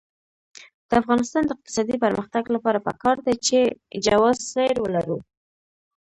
د افغانستان د اقتصادي پرمختګ لپاره پکار ده چې جواز سیر ولرو.